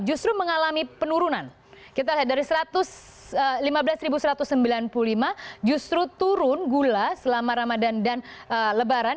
justru mengalami penurunan kita lihat dari satu ratus lima belas satu ratus sembilan puluh lima justru turun gula selama ramadan dan lebaran